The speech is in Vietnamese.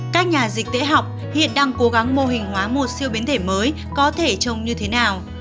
các nhà dịch tễ học hiện đang cố gắng mô hình hóa một siêu biến thể mới có thể trồng như thế nào